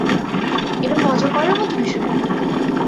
এটা মজা করার মত বিষয় না।